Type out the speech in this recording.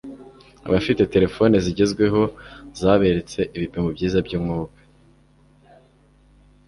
Abafite telephone zigezweho zaberetse ibipimo byiza by'umwuka